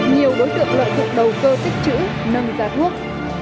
nhiều đối tượng loại thuộc đầu cơ tích chữ nâng ra thuốc